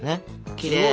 きれい。